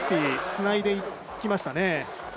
つないでいきました。